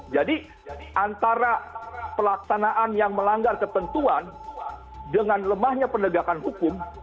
jadi antara pelaksanaan yang melanggar ketentuan dengan lemahnya pendegakan hukum